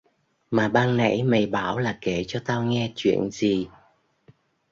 Mà ban nãy mày bảo là kể cho tao nghe chuyện gì